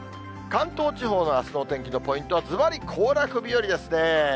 関東地方のあすのお天気のポイントは、ずばり、行楽日和ですね。